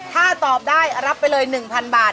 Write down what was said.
ถ้าตอบได้รับไปเลย๑๐๐๐บาท